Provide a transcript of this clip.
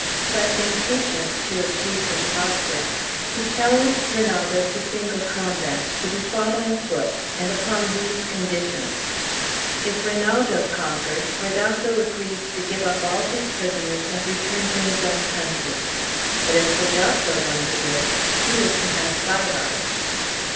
But, impatient to achieve his objects, he challenged Rinaldo to single combat, to be fought on foot, and upon these conditions: If Rinaldo conquered, Gradasso agreed to give up all his prisoners and return to his own country; but if Gradasso won the day, he was to have Bayard.